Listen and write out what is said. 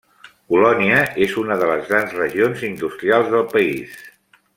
Colònia és una de les grans regions industrials del país.